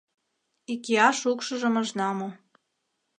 Икияш укшыжым ыжна му.